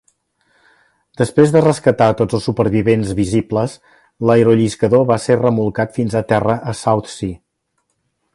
Després de rescatar tots els supervivents visibles, l'aerolliscador va ser remolcat fins a terra a Southsea.